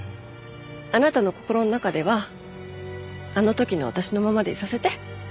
あなたの心の中ではあの時の私のままでいさせて。